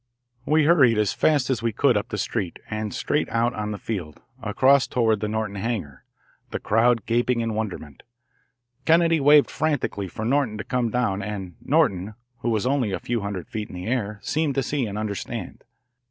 We hurried as fast as we could up the street and straight out on the field, across toward the Norton hangar, the crowd gaping in wonderment. Kennedy waved frantically for Norton to come down, and Norton, who was only a few hundred feet in the air, seemed to see and understand.